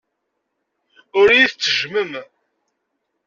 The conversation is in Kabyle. Ur iyi-tettejjmem.